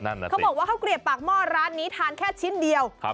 เขาบอกว่าข้าวเกลียบปากหม้อร้านนี้ทานแค่ชิ้นเดียวครับ